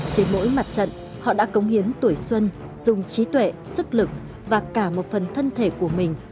trên mỗi mặt trận họ đã cống hiến tuổi xuân dùng trí tuệ sức lực và cả một phần thân thể của mình